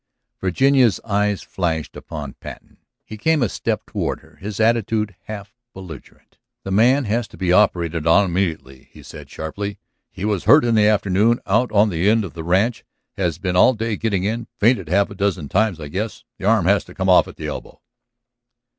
Virginia's eyes flashed upon Patten. He came a step toward her, his attitude half belligerent. "The man has to be operated upon immediately," he said sharply. "He was hurt in the afternoon out on the end of the ranch; has been all day getting in; fainted half a dozen times, I guess. The arm has to come off at the elbow."